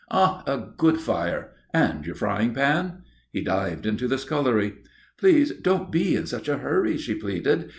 "Ah! a good fire. And your frying pan?" He dived into the scullery. "Please don't be in such a hurry," she pleaded.